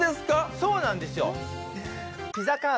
そうなんですよ。